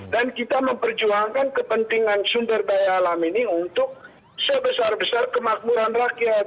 dan kita memperjuangkan kepentingan sumber daya alam ini untuk sebesar besar kemakmuran rakyat